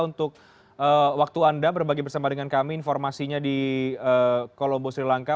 untuk waktu anda berbagi bersama dengan kami informasinya di kolombo sri lanka